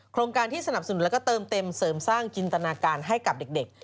โครงการที่สนับสนุนแล้วก็เติมเต็มเสริมสร้างจินตนาการให้กับเด็ก